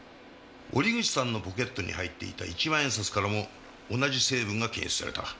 折口さんのポケットに入っていた１万円札からも同じ成分が検出された。